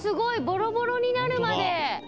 ボロボロになるまで。